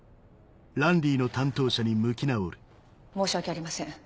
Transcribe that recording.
申し訳ありません。